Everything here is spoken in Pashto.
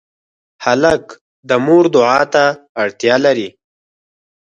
هلک د مور دعا ته اړتیا لري.